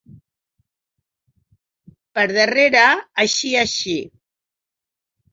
Per darrere, així, així.